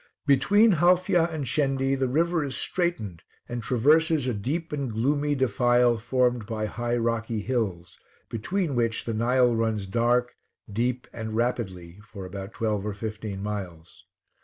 Between Halfya and Shendi, the river is straitened and traverses a deep and gloomy defile formed by high rocky hills, between which the Nile runs dark, deep, and rapidly for about twelve or fifteen miles.